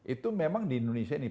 itu memang di indonesia ini